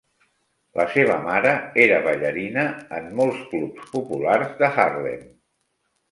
La seva mare era ballarina en molts clubs populars de Harlem.